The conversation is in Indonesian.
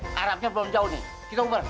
eh arabnya belum jauh nih kita ubah